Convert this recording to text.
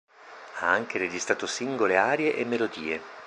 Ha anche registrato singole arie e melodie.